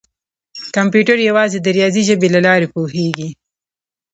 کمپیوټر یوازې د ریاضي ژبې له لارې پوهېږي.